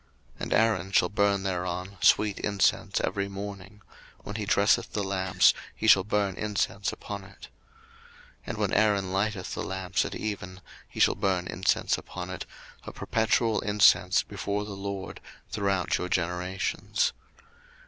02:030:007 And Aaron shall burn thereon sweet incense every morning: when he dresseth the lamps, he shall burn incense upon it. 02:030:008 And when Aaron lighteth the lamps at even, he shall burn incense upon it, a perpetual incense before the LORD throughout your generations.